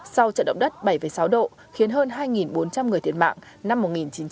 sau trận động đất bảy sáu độ khiến hơn hai bốn trăm linh người thiệt mạng năm một nghìn chín trăm bảy mươi